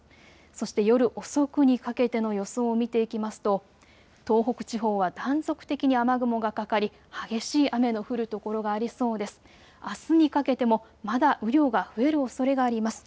そして夜遅くにかけての予想を見ていきますと東北地方は断続的に雨雲がかかり激しい雨の降る所がありそうです。